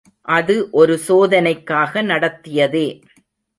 அது ஒரு சோதனைக்காக நடத்தியதே.